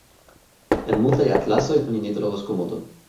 En multaj atlasoj oni ne trovos Komodon.